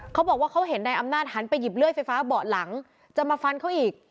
เขาบอกว่าเขาเห็นนายอำนาจหันไปหยิบเลื่อยไฟฟ้าเบาะหลังจะมาฟันเขาอีก